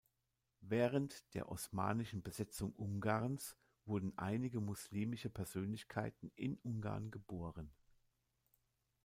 Während der osmanischen Besetzung Ungarns wurden einige muslimische Persönlichkeiten in Ungarn geboren.